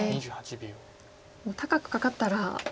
もう高くカカったら皆さん。